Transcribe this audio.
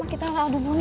kita gak ada boni